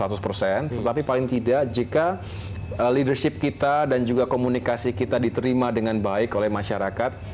tetapi paling tidak jika leadership kita dan juga komunikasi kita diterima dengan baik oleh masyarakat